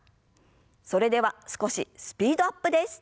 それでは少しスピードアップです。